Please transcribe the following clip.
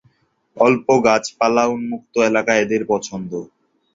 অল্প গাছপালা, উন্মুক্ত এলাকা এদের পছন্দ।